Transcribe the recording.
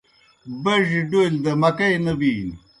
بَڙیْ ڈولیْ دہ مکئی نہ بِینیْ۔